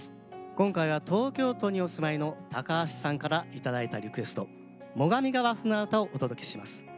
今回は東京都にお住まいの橋さんから頂いたリクエスト「最上川舟唄」をお届けします。